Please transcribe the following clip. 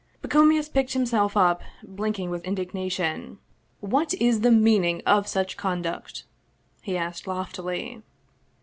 Pacomius picked himself up, blinking with indignation. " What is the meaning of such conduct ?" he asked loftily.